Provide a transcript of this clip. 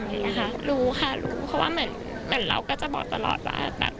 ค่ะรู้ค่ะรู้เพราะว่าเหมือนเราก็จะบอกตลอดว่าแบบ